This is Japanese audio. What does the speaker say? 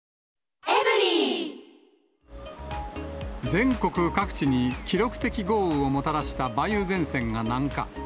全国各地に記録的豪雨をもたらした梅雨前線が南下。